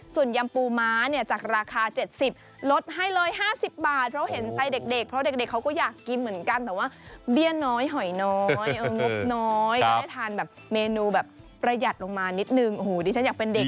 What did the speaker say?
ส่วนยำปูม้าเนี่ยจากราคา๗๐ลดให้เลย๕๐บาทเพราะเห็นใจเด็กเพราะเด็กเขาก็อยากกินเหมือนกันแต่ว่าเบี้ยน้อยหอยน้อยงบน้อยก็ได้ทานแบบเมนูแบบประหยัดลงมานิดนึงโอ้โหดิฉันอยากเป็นเด็ก